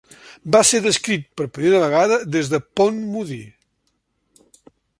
Va ser descrit per primera vegada des de Ponmudi.